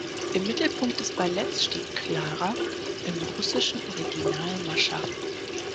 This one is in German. Im Mittelpunkt des Balletts steht Clara, im russischen Original Mascha.